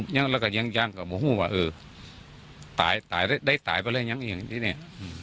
อย่างกับยังยังกับมุมว่าเออตายตายได้ตายไปเลยอย่างนี้เนี่ย